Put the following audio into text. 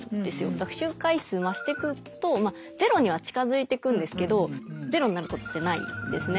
学習回数増してくとゼロには近づいていくんですけどゼロになることってないんですね。